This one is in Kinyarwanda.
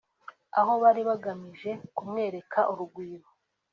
aho bari bagamije kumwereka urugwiro